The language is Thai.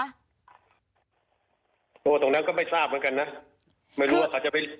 ตรงนั้นก็ไม่ทราบเหมือนกันนะ